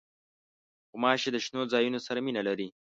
غوماشې د شنو ځایونو سره مینه لري.